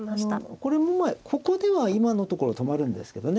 これもここでは今のところ止まるんですけどね。